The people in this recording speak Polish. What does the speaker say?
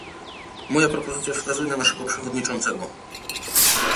Moja propozycja wskazuje na naszego przewodniczącego